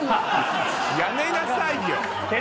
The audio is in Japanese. やめなさいよ！